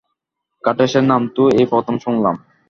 খাটাশের নাম তো এই প্রথম শুনলাম!